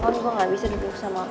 sorry ya gue gak bisa duduk sama wulan